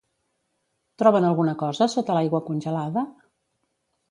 Troben alguna cosa sota l'aigua congelada?